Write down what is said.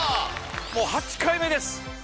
もう８回目です。